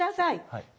はい。